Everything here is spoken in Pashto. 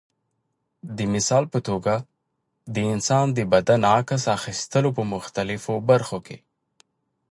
د مثال په توګه د انسان د بدن عکس اخیستلو په مختلفو برخو کې.